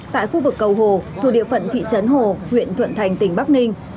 tại khu vực cầu hồ thuộc địa phận thị trấn hồ huyện thuận thành tỉnh bắc ninh